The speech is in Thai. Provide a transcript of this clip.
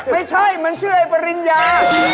ไม่ใช่มันชื่อไอ้ปริญญา